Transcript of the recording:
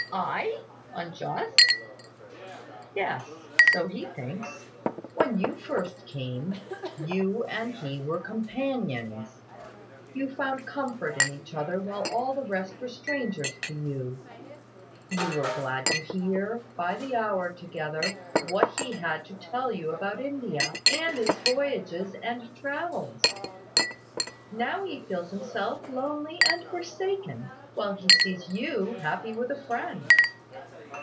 "I! Unjust!" "Yes; so he thinks. When you first came, you and he were companions. You found comfort in each other while all the rest were strangers to you. You were glad to hear, by the hour together, what he had to tell you about India, and his voyages and travels. Now he feels himself lonely and forsaken, while he sees you happy with a friend.